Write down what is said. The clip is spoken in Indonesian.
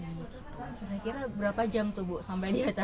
kira kira berapa jam tuh bu sampai di atas